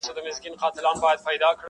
دا سړی چي درته ځیر دی مخامخ په آیینه کي,